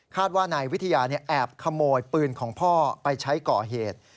ว่านายวิทยาแอบขโมยปืนของพ่อไปใช้ก่อเหตุ